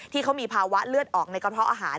ที่เขามีภาวะเลือดออกในกระเพาะอาหาร